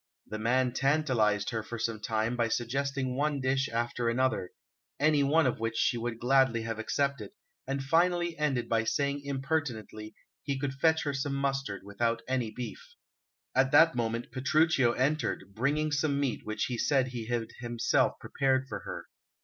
The man tantalized her for some time by suggesting one dish after another, any one of which she would gladly have accepted, and finally ended by saying impertinently he could fetch her some mustard without any beef. At that moment Petruchio entered, bringing some meat which he said he had himself prepared for her.